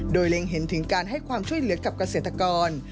โดยเล็งเห็นถึงการให้ความช่วยเหลือกับเกษตรกร